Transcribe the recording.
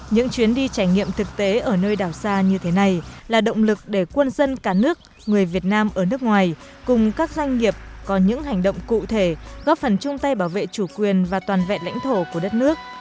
những chuyến đi trải nghiệm thực tế ở nơi đảo xa như thế này là động lực để quân dân cả nước người việt nam ở nước ngoài cùng các doanh nghiệp có những hành động cụ thể góp phần chung tay bảo vệ chủ quyền và toàn vẹn lãnh thổ của đất nước